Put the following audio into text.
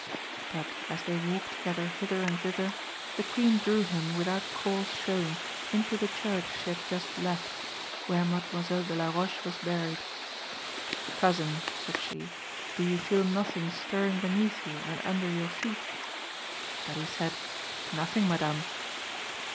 But, as they walked together hither and thither, the Queen drew him, without cause shown, into the church she had just left, where Mademoiselle de la Roche was buried. "Cousin," said she, "do you feel nothing stirring beneath you and under your feet?" But he said, "Nothing, Madame."